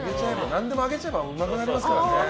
何でも揚げちゃえばうまくなりますからね。